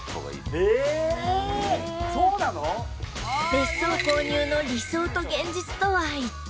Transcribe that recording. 別荘購入の理想と現実とは一体